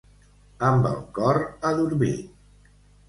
Amb el cor adormit.